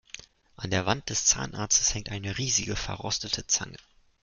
An der Wand des Zahnarztes hängt eine riesige, verrostete Zange.